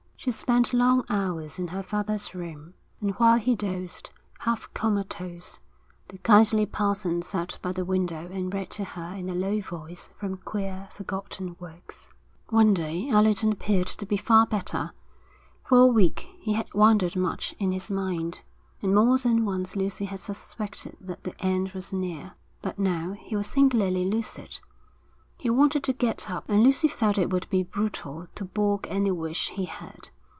She spent long hours in her father's room; and while he dozed, half comatose, the kindly parson sat by the window and read to her in a low voice from queer, forgotten works. One day Allerton appeared to be far better. For a week he had wandered much in his mind, and more than once Lucy had suspected that the end was near; but now he was singularly lucid. He wanted to get up, and Lucy felt it would be brutal to balk any wish he had.